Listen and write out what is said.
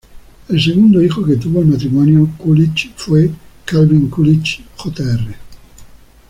El segundo hijo que tuvo el matrimonio Coolidge fue Calvin Coolidge, Jr.